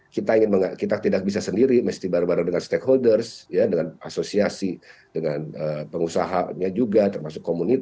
kita tidak bisa sendiri mesti bareng bareng dengan stakeholders dengan asosiasi dengan pengusahanya juga termasuk komunitas